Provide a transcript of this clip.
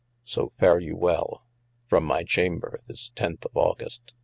So fare vou wel, from my Chamber this tenth of August.